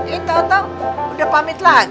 ya tau tau udah pamit lagi